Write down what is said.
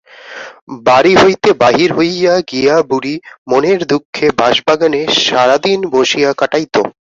বাড়ি হইতে বাহির হইয়া গিয়া বুড়ি মনের দুঃখে বাঁশবাগানে সারাদিন বসিয়া কাটাইত।